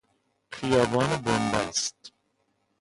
خیابان بنبست